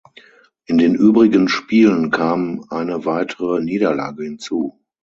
In den übrigen Spielen kam eine weitere Niederlage hinzu.